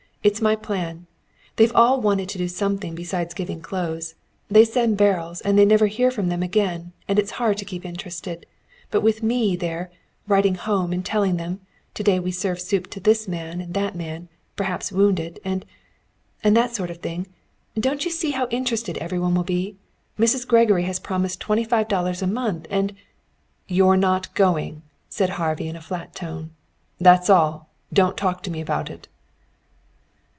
It's my plan. They've all wanted to do something besides giving clothes. They send barrels, and they never hear from them again, and it's hard to keep interested. But with me there, writing home and telling them, 'To day we served soup to this man, and that man, perhaps wounded.' And and that sort of thing don't you see how interested every one will be? Mrs. Gregory has promised twenty five dollars a month, and " "You're not going," said Harvey in a flat tone. "That's all. Don't talk to me about it."